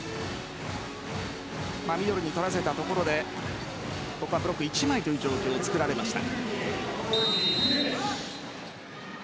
ミドルに取らせたところでブロック１枚という状況をつくられました。